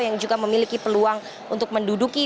yang juga memiliki peluang untuk menduduki